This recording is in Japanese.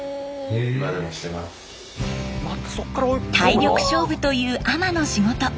体力勝負という海人の仕事。